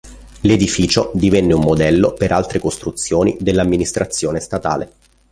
L'edificio divenne un modello per altre costruzioni dell'amministrazione statale.